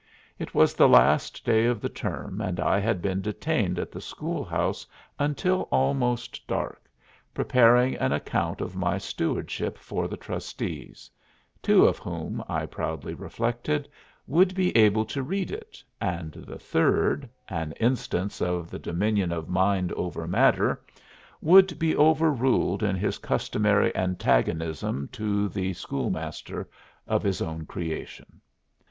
It was the last day of the term and I had been detained at the schoolhouse until almost dark, preparing an account of my stewardship for the trustees two of whom, I proudly reflected, would be able to read it, and the third (an instance of the dominion of mind over matter) would be overruled in his customary antagonism to the schoolmaster of his own creation.